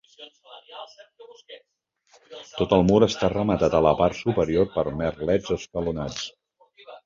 Tot el mur està rematat a la part superior per merlets escalonats.